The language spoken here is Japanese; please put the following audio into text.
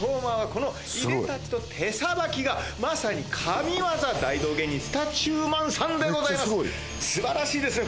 このいでたちと手さばきがまさに神業大道芸人スタチューマンさんでございますすばらしいですね